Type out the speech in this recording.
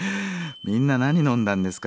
みんな何飲んだんですか？